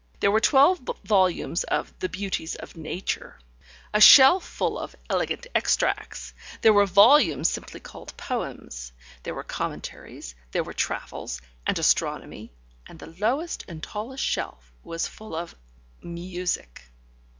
There were twelve volumes of "The Beauties of Nature", a shelf full of "Elegant Extracts", there were volumes simply called "Poems", there were "Commentaries", there were "Travels" and "Astronomy" and the lowest and tallest shelf was full of "Music".